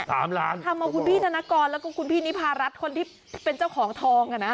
ทำเอาคุณพี่ธนกรแล้วก็คุณพี่นิพารัฐคนที่เป็นเจ้าของทองอ่ะนะ